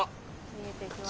見えてきました。